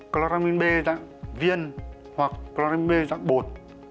cloramin b dạng viên hoặc cloramin b dạng bột